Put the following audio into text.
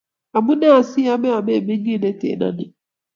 Amunee asi ame amining' ne tenoni?